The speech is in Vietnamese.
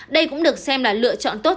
đây cũng được xem là lựa chọn tốt